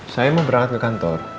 saya mau berangkat ke kantor